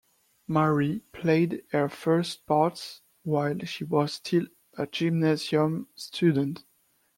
Mary played her first parts while she was still a gymnasium student.